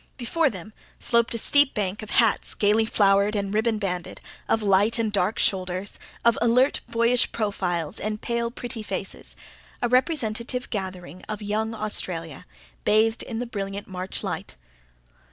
Before them sloped a steep bank of hats gaily flowered and ribbon banded hats of light and dark shoulders, of alert, boyish profiles and pale, pretty faces a representative gathering of young Australia, bathed in the brilliant March light.